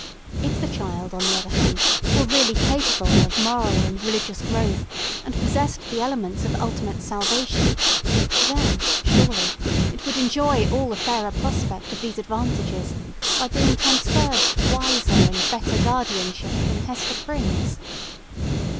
If the child, on the other hand, were really capable of moral and religious growth, and possessed the elements of ultimate salvation, then, surely, it would enjoy all the fairer prospect of these advantages by being transferred to wiser and better guardianship than Hester Prynne's.